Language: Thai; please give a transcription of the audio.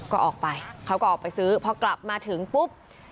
ก็ออกไปเขาก็ออกไปซื้อพอกลับมาถึงปุ๊บ